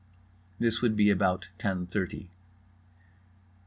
This would be about ten thirty.